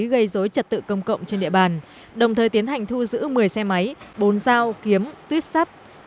gây dối trật tự công cộng trên địa bàn đồng thời tiến hành thu giữ một mươi xe máy bốn dao kiếm tuyếp sắt